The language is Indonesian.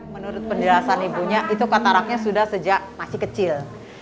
menurut penjelasan ibunya itu kataraknya sudah sejak masih kecil